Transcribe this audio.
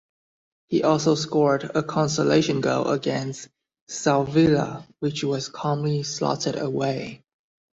He also scored a consolation goal against Sevilla which was calmly slotted away.